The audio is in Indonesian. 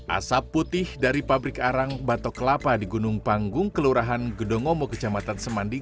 asap putih dari pabrik arang batok kelapa di gunung panggung kelurahan gedongomo kecamatan semandi